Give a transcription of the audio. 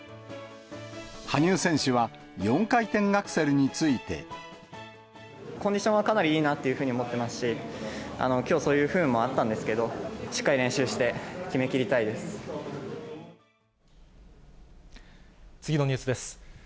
羽生選手は、４回転アクセルについて。コンディションはかなりいいなと思ってますし、きょう、そういう不運もあったんですけど、しっかり練習して、決めきりたい次のニュースです。